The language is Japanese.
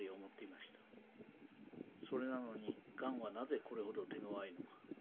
それなのにがんはなぜこれほど手ごわいのか。